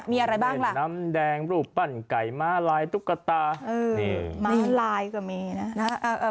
มีอะไรบ้างล่ะน้ำแดงรูปปั่นไก่มาลายตุ๊กตาเออมาลายกว่าเมนะน่ะเอ่อ